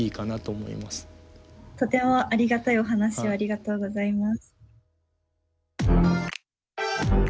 とてもありがたいお話をありがとうございます。